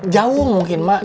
jauh mungkin mak